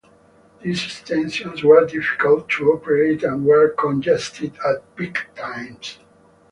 These extensions were difficult to operate and were congested at peak times.